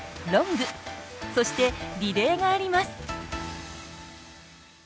ロングそして、リレーがあります。